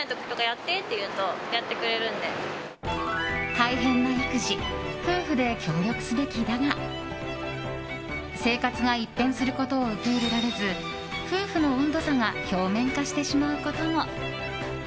大変な育児夫婦で協力すべきだが生活が一変することを受け入れられず夫婦の温度差が表面化してしまうことも。